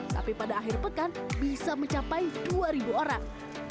tapi pada akhir pekan bisa mencapai dua orang